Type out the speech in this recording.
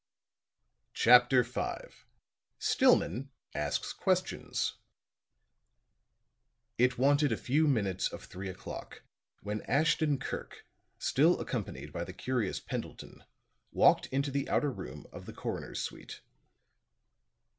CHAPTER V STILLMAN ASKS QUESTIONS It wanted a few minutes of three o'clock when Ashton Kirk, still accompanied by the curious Pendleton, walked into the outer room of the coroner's suite.